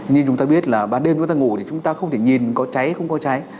như chúng ta biết là ban đêm chúng ta ngủ thì chúng ta không thể nhìn có cháy không có cháy